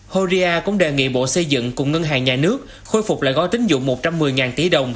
horia cũng đề nghị bộ xây dựng cùng ngân hàng nhà nước khôi phục lại gói tính dụng một trăm một mươi tỷ đồng